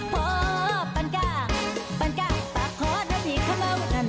พอปันกากปันกากปากขอน้ำหญิงเข้าเมาหนัง